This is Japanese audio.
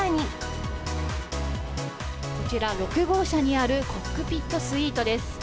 こちら、６号車にあるコックピットスイートです。